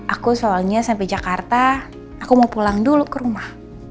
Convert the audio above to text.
aku soalnya sampai jakarta aku mau pulang dulu ke rumah